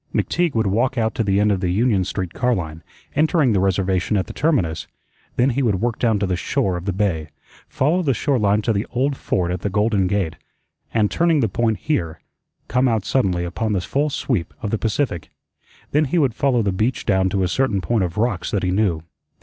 McTeague would walk out to the end of the Union Street car line, entering the Reservation at the terminus, then he would work down to the shore of the bay, follow the shore line to the Old Fort at the Golden Gate, and, turning the Point here, come out suddenly upon the full sweep of the Pacific. Then he would follow the beach down to a certain point of rocks that he knew.